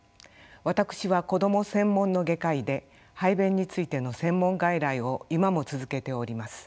私は子ども専門の外科医で排便についての専門外来を今も続けております。